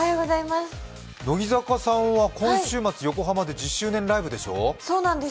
乃木坂さんは今週末、横浜で１０周年ライブでしょう？